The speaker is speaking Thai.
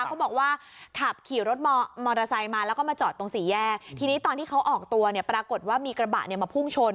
เขาบอกว่าขับขี่รถมอเตอร์ไซค์มาแล้วก็มาจอดตรงสี่แยกทีนี้ตอนที่เขาออกตัวเนี่ยปรากฏว่ามีกระบะเนี่ยมาพุ่งชน